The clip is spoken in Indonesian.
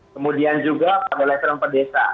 kemudian juga pada lefram pd